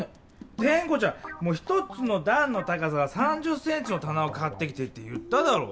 テンコちゃん１つのだんの高さが３０センチのたなを買ってきてって言っただろう？